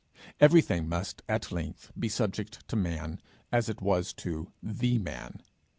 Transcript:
Everything must at length be subject to man, as it was to The Man.